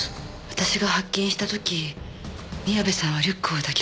私が発見した時宮部さんはリュックを抱きかかえていた。